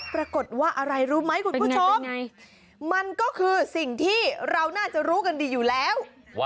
ปรากฏว่าอะไรรู้ไหมคุณผู้ชมมันก็คือสิ่งที่เราน่าจะรู้กันดีอยู่แล้ว